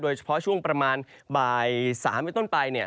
โดยเฉพาะช่วงประมาณบ่าย๓เป็นต้นไปเนี่ย